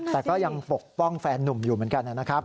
แต่ก็ยังปกป้องแฟนนุ่มอยู่เหมือนกันนะครับ